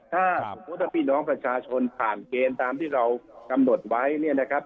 ถ้าผู้ที่น้องประชาชนผ่านเกณฑ์ตามที่เรากำหนดไว้นะครับ